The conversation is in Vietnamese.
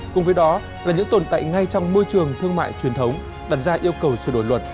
cùng với đó là những tồn tại ngay trong môi trường thương mại truyền thống đặt ra yêu cầu sửa đổi luật